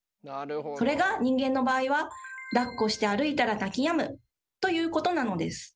それが人間の場合はだっこして歩いたら泣きやむということなのです。